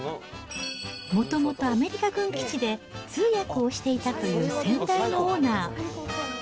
もともとアメリカ軍基地で通訳をしていたという先代のオーナー。